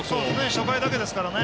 初回だけですからね。